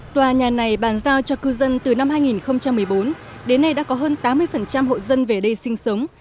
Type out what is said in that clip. tòa nhà này bàn giao cho cư dân từ năm hai nghìn một mươi bốn đến nay đã có hơn tám mươi hộ dân về đây sinh sống